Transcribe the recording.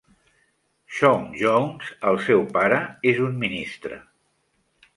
Shawn Jones, el seu pare, és un ministre.